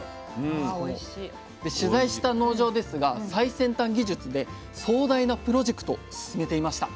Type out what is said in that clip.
で取材した農場ですが最先端技術で壮大なプロジェクト進めていました。